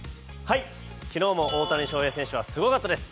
昨日も大谷選手はすごかったです